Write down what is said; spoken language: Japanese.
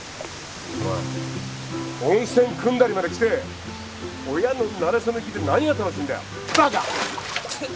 お前温泉くんだりまで来て親のなれ初め聞いて何が楽しいんだよバカ。